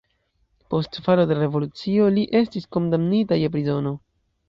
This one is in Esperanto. Post falo de la revolucio li estis kondamnita je prizono.